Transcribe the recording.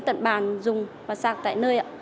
tận bàn dùng và sạc tại nơi